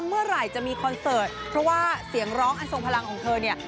เมื่อไหร่จะมีคอนเสิร์ตเพราะว่าเสียงร้องอันทรงพลังของเธอเนี่ย